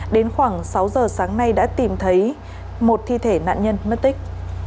đến khoảng sáu giờ sáng nay đã tìm thấy một thi thể nạn nhân mất tích